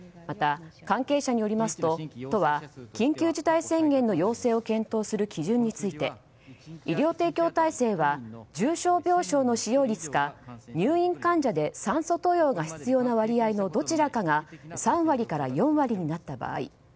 また、関係者によりますと都は緊急事態宣言の要請を検討する基準について医療提供体制は重症病床の使用率か入院患者で酸素投与が必要な割合のどちらかが３割から４割になった場合。